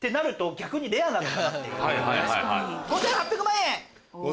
５８００万円。